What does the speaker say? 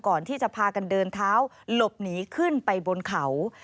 ก่อนที่จะพากันเดินเท้าหลบหนีขึ้นไปบนเขา